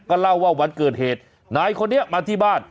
ก็เล่าว่าวันเกิดเหตุนายคนนี้มาที่บ้าน